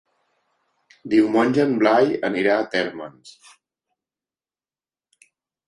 Diumenge en Blai anirà a Térmens.